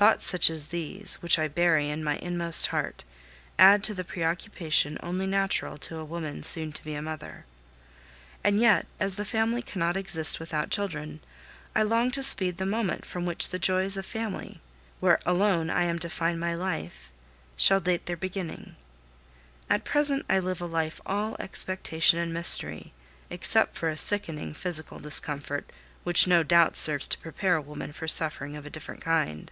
Thoughts such as these, which I bury in my inmost heart, add to the preoccupation only natural to a woman soon to be a mother. And yet, as the family cannot exist without children, I long to speed the moment from which the joys of family, where alone I am to find my life, shall date their beginning. At present I live a life all expectation and mystery, except for a sickening physical discomfort, which no doubt serves to prepare a woman for suffering of a different kind.